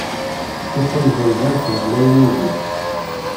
Ussan n unẓar sneɣnayen-iyi.